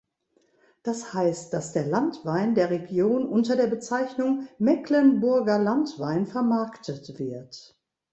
Das heißt, dass der Landwein der Region unter der Bezeichnung "Mecklenburger Landwein" vermarktet wird.